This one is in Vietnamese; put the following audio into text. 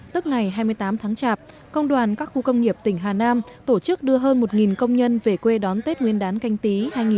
tức ngày hai mươi tám tháng chạp công đoàn các khu công nghiệp tỉnh hà nam tổ chức đưa hơn một công nhân về quê đón tết nguyên đán canh tí hai nghìn hai mươi